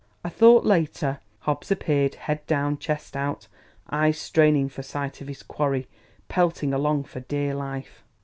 A thought later, Hobbs appeared, head down, chest out, eyes straining for sight of his quarry, pelting along for dear life.